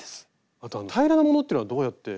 あと平らなものっていうのはどうやって測って？